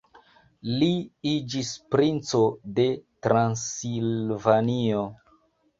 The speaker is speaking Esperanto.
Li iĝis princo de Transilvanio.